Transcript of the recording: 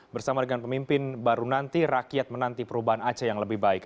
bersama dengan pemimpin baru nanti rakyat menanti perubahan aceh yang lebih baik